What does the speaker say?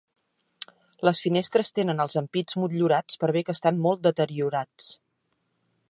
Les finestres tenen els ampits motllurats per bé que estan molt deteriorats.